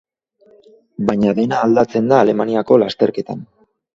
Baina dena aldatzen da Alemaniako lasterketan.